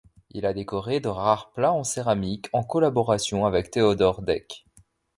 Il a décoré de rares plats en céramique en collaboration avec Théodore Deck.